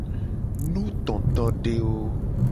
Nutotodewo.